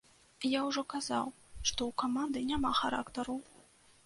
Я ўжо казаў, што ў каманды няма характару.